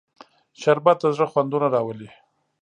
شربت د زړه خوندونه راولي